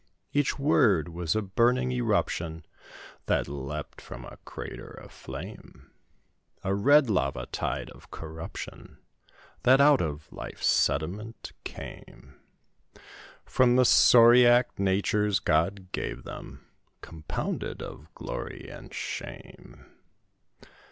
Each word was a burning eruption That leapt from a crater of flame A red, lava tide of corruption, That out of life's sediment came, From the scoriac natures God gave them, Compounded of glory and shame.